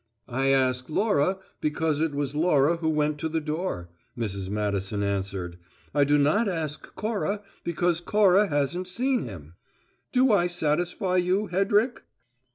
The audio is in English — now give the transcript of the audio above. "I ask Laura because it was Laura who went to the door," Mrs. Madison answered. "I do not ask Cora because Cora hasn't seen him. Do I satisfy you, Hedrick?"